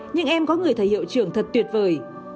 nhưng em có người thầy hiệu trưởng thật tuyệt vời